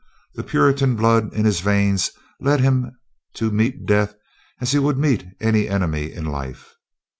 The Puritan blood in his veins led him to meet death as he would meet any enemy in life.